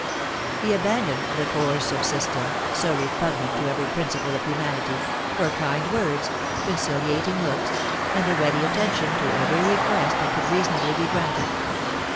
He abandoned the coercive system, so repugnant to every principle of humanity, for kind words, conciliating looks, and a ready attention to every request that could reasonably be granted.